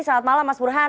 selamat malam mas burhan